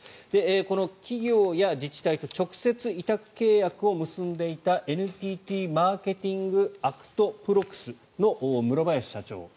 この企業や自治体と直接、委託契約を結んでいたＮＴＴマーケティングアクトＰｒｏＣＸの室林社長。